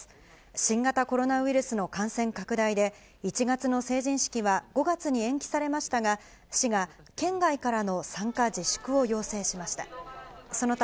新型コロナウイルスの感染拡大で、１月の成人式は５月に延期されましたが、市が、県外からの参加自粛を要請しました。